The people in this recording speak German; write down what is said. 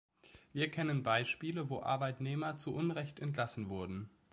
Wir kennen Beispiele, wo Arbeitnehmer zu Unrecht entlassen wurden.